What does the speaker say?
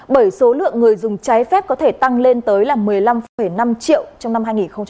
bởi số lượng người dùng trái phép có thể tăng lên tới một mươi năm năm triệu trong năm hai nghìn hai mươi